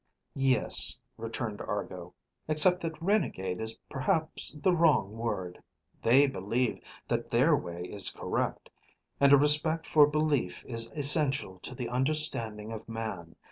"Yes," returned Argo, "except that renegade is perhaps the wrong word. They believe that their way is correct, and a respect for belief is essential to the understanding of Man.